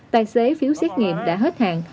tài xế phiếu xét nghiệm đã hết hạn